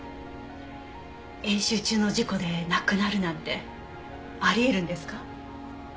演習中の事故で亡くなるなんてあり得るんですか？